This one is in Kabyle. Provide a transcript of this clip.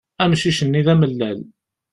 Amcic-nni d amellal.